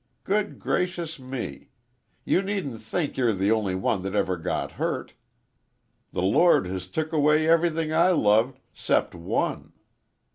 Good gracious me! you needn't think you're the only one that ever got hurt. The Lord has took away ev'rything I loved 'cept one.